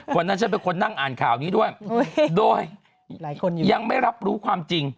วันนั้นฉันเป็นคนนั่งอ่านข่าวนี้ด้วยโดยยังไม่รับรู้ความจริง